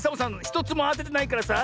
ひとつもあててないからさ